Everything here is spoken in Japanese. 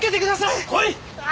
来い！